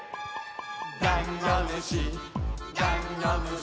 「だんごむしだんごむし」